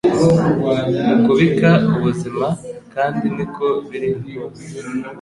mu kubika ubuzima kandi niko biri rwose